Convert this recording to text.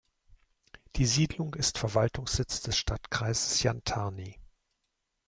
Die Siedlung ist Verwaltungssitz des Stadtkreises Jantarny.